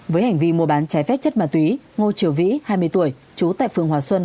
với hành vi mua bán trái phép chất ma túy ngô triều vĩ hai mươi tuổi trú tại phường hòa xuân